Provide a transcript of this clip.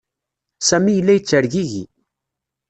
Sami yella yettergigi.